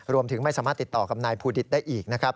รวมถึงไม่สามารถติดต่อกับนายภูดิตได้อีกนะครับ